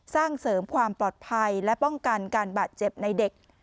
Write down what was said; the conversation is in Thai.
สร้างเสริมความปลอดภัยและป้องกันการบาดเจ็บในเด็ก